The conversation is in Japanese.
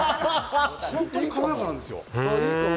本当に軽やかなんです。